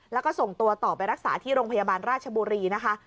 แล้วก็ส่งตัวต่อไปรักษาที่โรงพยาบาลราชบุรีนะคะ